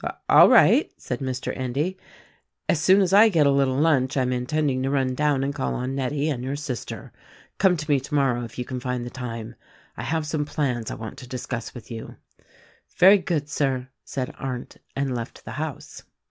"All right," said Mr. Endy, "as soon as I get a little lunch I am intending to run down and call on Nettie and your sister. Come to me tomorrow, if you can find time. I have some plans I want to discuss with you." "Very good, Sir," said Arndt, and left the house.